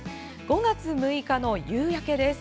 ５月６日の夕焼けです。